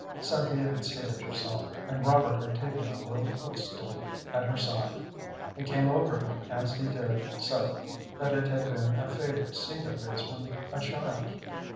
Cynthia had seated herself, and Robert had taken a low foot stool at her side. It came over him as he did so that it had been a favorite seat of his when a child.